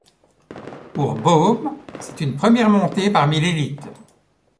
Pour Boom, c'est une première montée parmi l'élite.